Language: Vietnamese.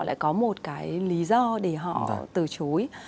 lại có một cái lý do để họ từ chối